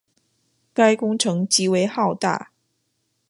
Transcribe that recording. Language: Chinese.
该工程极为浩大。